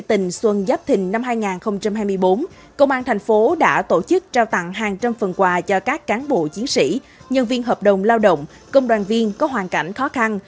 tình xuân giáp thình năm hai nghìn hai mươi bốn công an thành phố đã tổ chức trao tặng hàng trăm phần quà cho các cán bộ chiến sĩ nhân viên hợp đồng lao động công đoàn viên có hoàn cảnh khó khăn